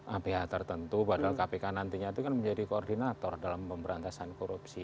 aph tertentu padahal kpk nantinya itu kan menjadi koordinator dalam pemberantasan korupsi